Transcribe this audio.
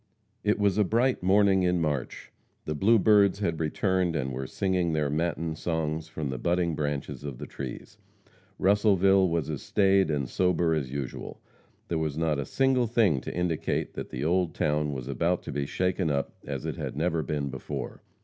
It was a bright morning in March. The blue birds had returned and were singing their matin songs from the budding branches of the trees. Russellville was as staid and sober as usual. There was not a single thing to indicate that the old town was about to be shaken up as it had never been before.